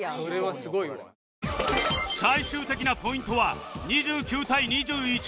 最終的なポイントは２９対２１